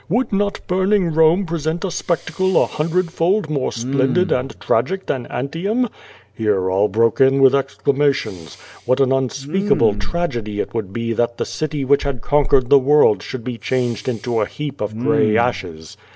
Would not burning Rome present a spectacle a hundredfold more splendid and tragic than Antium? Hero all broke in with exclamations. What an unspeakable tragedy it would Ije that the city which had conquered the world should be changed into a heap of gray ashes.